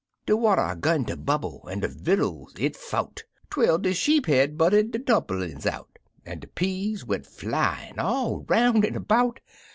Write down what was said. De water 'gun ter bubble, an' de vittles it fou't, Twel de sheep head butted de dumperlin's out, An' de peas went flyin' all 'roun' an' about.